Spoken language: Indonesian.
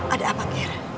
ada apa ger